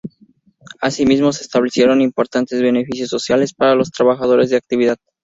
Asimismo, se establecieron importantes beneficios sociales para los trabajadores en actividad.